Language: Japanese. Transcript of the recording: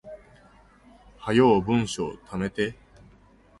早う文章溜めて